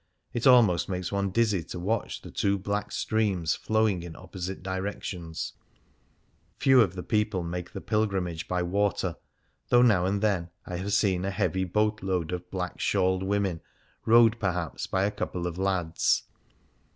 It almost makes one dizzy to watch the two black streams flowing in opposite directions. Few of the people make the pilgrimage by water, though now and then 129 I Things Seen in Venice I have seen a heavy boat load of black shawled women, rowed, perhaps, by a couple of lads.